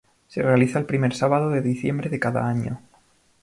Se realiza el primer sábado de diciembre de cada año.